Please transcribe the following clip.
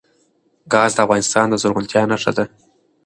ګاز د افغانستان د زرغونتیا نښه ده.